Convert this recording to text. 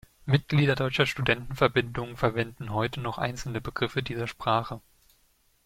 Mitglieder deutscher Studentenverbindungen verwenden heute noch einzelne Begriffe dieser Sprache.